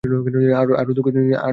আর দুঃখ দিতে চাই নি আমি তোমাকে।